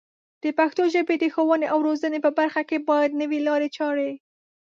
د پښتو ژبې د ښوونې او روزنې په برخه کې باید نوې لارې چارې